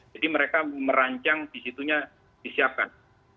jadi mereka merancang disitunya disiapkan